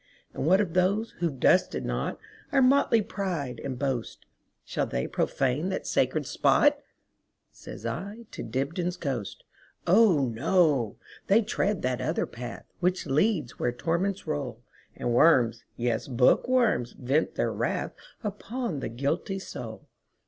And what of those who 've dusted notOur motley pride and boast,—Shall they profane that sacred spot?"Says I to Dibdin's ghost."Oh, no! they tread that other path, Which leads where torments roll, And worms, yes, bookworms, vent their wrathUpon the guilty soul.